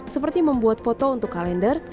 seperti membuat foto untuk kalender